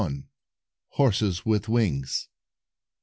259 HORSES WITH WINGS.